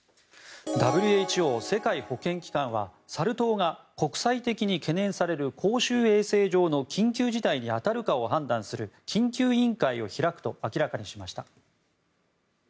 ＷＨＯ・世界保健機関はサル痘が国際的に懸念される公衆衛生上の緊急事態に当たるかを判断する緊急委員会を開くと明らかにしました。